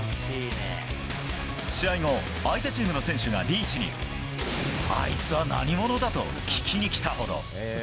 試合後、相手チームの選手がリーチにあいつは何者だ？と聞きに来たほど。